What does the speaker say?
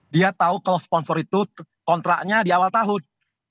dia tahu kalau sponsor itu kontraknya di awal tahun